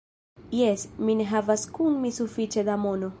Jes; mi ne havas kun mi sufiĉe da mono.